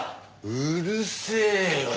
うるせえよ